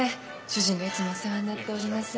主人がいつもお世話になっております。